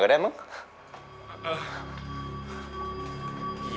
จัดเต็มให้เลย